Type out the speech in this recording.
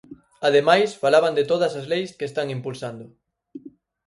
Ademais, falaban de todas as leis que están impulsando.